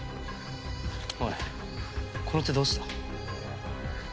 おいこの手どうした？